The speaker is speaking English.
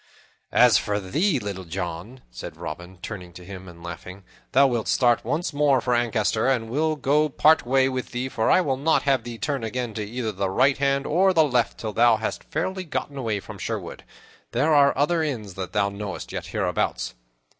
"As for thee, Little John," said Robin, turning to him and laughing, "thou wilt start once more for Ancaster, and we will go part way with thee, for I will not have thee turn again to either the right hand or the left till thou hast fairly gotten away from Sherwood. There are other inns that thou knowest yet, hereabouts."